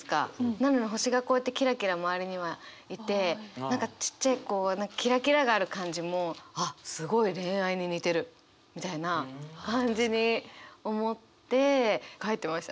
なのに星がこうやってキラキラ周りにはいて何かちっちゃいこうキラキラがある感じもあっすごい恋愛に似てるみたいな感じに思って書いてましたね。